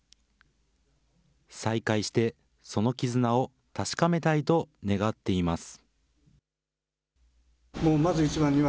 再会して、その絆を確かめたいと願っています。